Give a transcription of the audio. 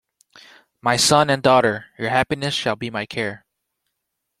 My son and daughter, your happiness shall be my care.